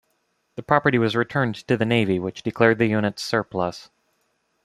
The property was returned to the Navy which declared the units surplus.